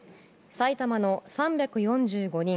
埼玉の３４５人